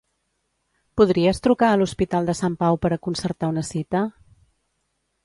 Podries trucar a l'Hospital de Sant Pau per a concertar una cita?